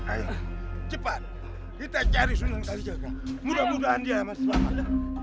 ayo cepat kita cari sunan dari jaga mudah mudahan dia aman selamat